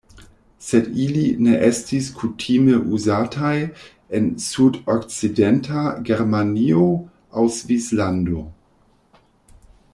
Sed ili ne estis kutime uzataj en sudokcidenta Germanio aŭ Svislando.